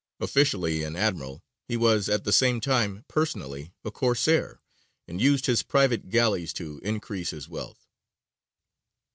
Officially an admiral, he was at the same time personally a Corsair, and used his private galleys to increase his wealth.